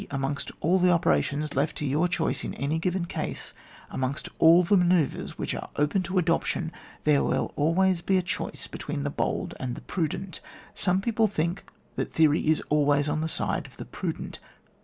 Amongst all the operations left to your choice in any given case, amongst all the measures which are open to adop tion, there will always be a choice be tween the bold and the prudent. Some people think that theory is always on the side of the prudent.